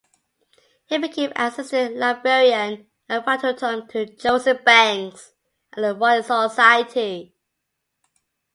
He became assistant librarian and factotum to Joseph Banks at the Royal Society.